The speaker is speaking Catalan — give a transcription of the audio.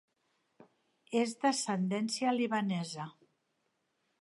És d'ascendència libanesa.